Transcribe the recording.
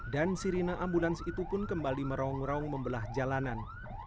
dan sirina ambulans itu pun kembali merongrong membelah jalanan